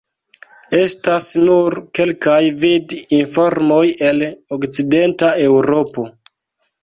Estas nur kelkaj vid-informoj el Okcidenta Eŭropo.